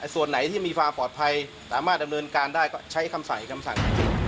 ส่วนไหนที่มีความปลอดภัยสามารถดำเนินการได้ก็ใช้คำสั่งคำสั่ง